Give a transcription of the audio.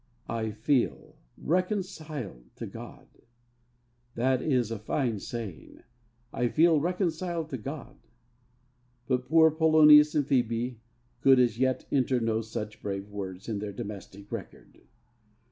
I feel reconciled to God.' That is a fine saying. 'I feel reconciled to God.' But poor Polonius and Phebe could as yet enter no such brave words in their domestic record.